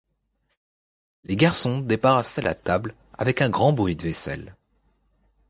Les garçons débarrassaient la table avec un grand bruit de vaisselle.